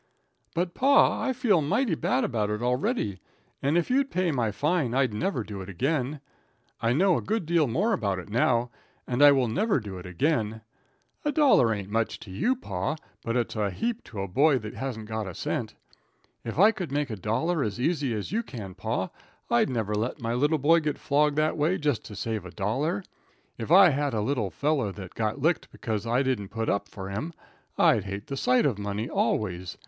"But, pa, I feel mighty bad about it already, and if you'd pay my fine I'd never do it again. I know a good deal more about it now, and I will never do it again. A dollar ain't much to you, pa, but it's a heap to a boy that hasn't got a cent. If I could make a dollar as easy as you can, pa, I'd never let my little boy get flogged that way just to save a dollar. If I had a little feller that got licked bekuz I didn't put up for him, I'd hate the sight of money always.